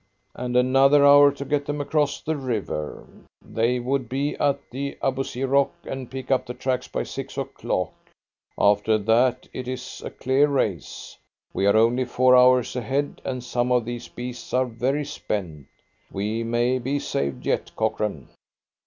"And another hour to get them across the river. They would be at the Abousir Rock and pick up the tracks by six o'clock. After that it is a clear race. We are only four hours ahead, and some of these beasts are very spent. We may be saved yet, Cochrane!"